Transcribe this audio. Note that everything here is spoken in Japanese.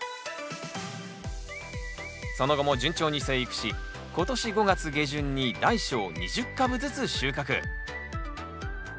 その後も順調に生育し今年５月下旬に大小２０株ずつ収穫。